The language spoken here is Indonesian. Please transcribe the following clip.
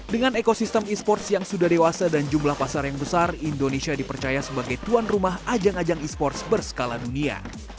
dengan ekosistem e sports yang sudah dewasa dan jumlah pasar yang besar indonesia dipercaya sebagai tuan rumah ajang ajang e sports berskala dunia